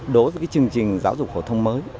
đối với chương trình giáo dục phổ thông mới